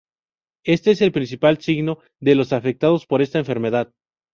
Éste es el principal signo de los afectados por esta enfermedad.